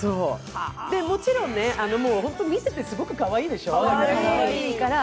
もちろん、見ていてすごくかわいいでしょう？